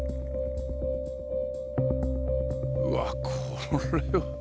うわっこれは。